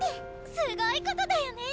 すごい事だよね！